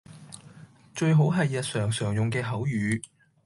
最好係日常常用嘅口語